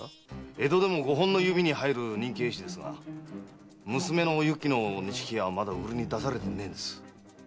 江戸でも五本の指に入る人気絵師ですが娘のお雪の錦絵はまだ売りに出されてねえんです。